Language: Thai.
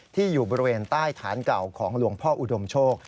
อยู่บริเวณใต้ฐานเก่าของหลวงพ่ออุดมโชค